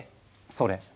それ！